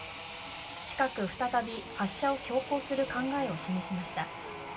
近く再び発射を強行する考えを示しました。